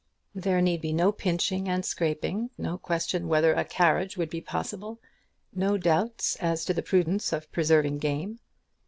There need be no pinching and scraping, no question whether a carriage would be possible, no doubt as to the prudence of preserving game.